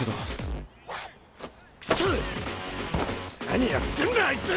何やってんだあいつ！